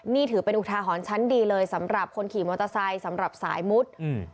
นี่ถือเป็นอุทาหรณ์ชั้นดีเลยสำหรับคนขี่มอเตอร์ไซค์สำหรับสายมุดอืม